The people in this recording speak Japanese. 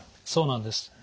そうなんです。